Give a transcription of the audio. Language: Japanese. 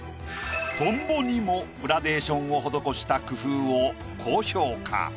トンボにもグラデーションを施した工夫を高評価。